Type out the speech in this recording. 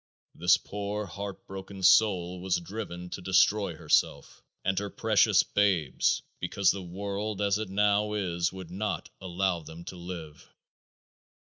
This poor heart broken soul was driven to destroy herself and her precious babes because the world as it now is would not allow them to live.